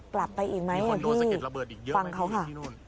กลับไปอีกไหมพี่ฟังเค้าข้ะ